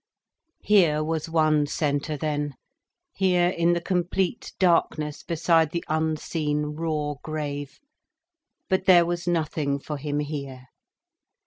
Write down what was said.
Here was one centre then, here in the complete darkness beside the unseen, raw grave. But there was nothing for him here.